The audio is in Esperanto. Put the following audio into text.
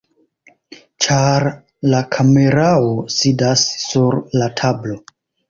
ĉar la kamerao sidas sur la tablo